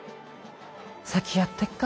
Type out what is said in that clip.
先やってっか。